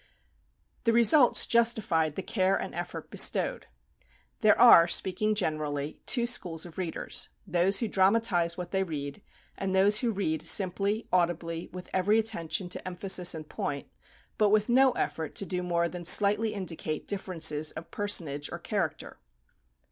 The results justified the care and effort bestowed. There are, speaking generally, two schools of readers: those who dramatize what they read, and those who read simply, audibly, with every attention to emphasis and point, but with no effort to do more than slightly indicate differences of personage or character.